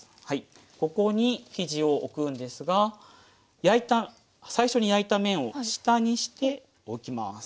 ここに生地を置くんですが焼いた最初に焼いた面を下にして置きます。